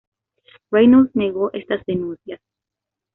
Reynolds negó estas denuncias.